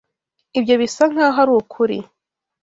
Ibyo bisa nkaho ari ukuri.